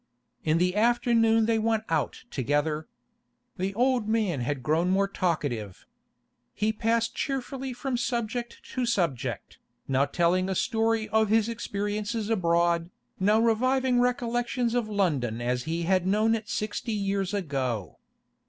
In the afternoon they went out together. The old man had grown more talkative. He passed cheerfully from subject to subject, now telling a story of his experiences abroad, now reviving recollections of London as he had known it sixty years ago.